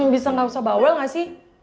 bisa nggak usah bawel gak sih